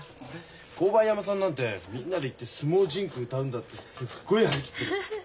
紅梅山さんなんてみんなで行って「相撲甚句」歌うんだってすっごい張り切ってる。